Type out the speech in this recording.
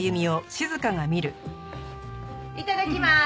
いただきます。